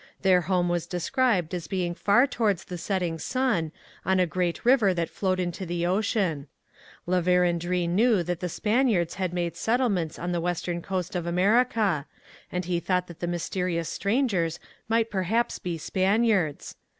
Their home was described as being far towards the setting sun, on a great river that flowed into the ocean. La Vérendrye knew that the Spaniards had made settlements on the western coast of America, and he thought that the mysterious strangers might perhaps be Spaniards.